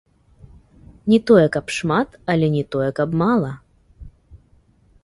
Не тое, каб шмат, але не тое, каб мала.